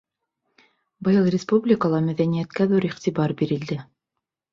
Быйыл республикала мәҙәниәткә ҙур иғтибар бирелде.